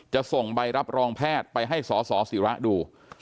ส่งใบรับรองแพทย์ไปให้สสิระดู